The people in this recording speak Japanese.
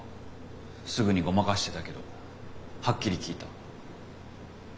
すぐにごまかしてたけどはっきり聞いた。